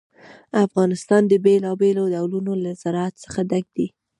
افغانستان د بېلابېلو ډولونو له زراعت څخه ډک دی.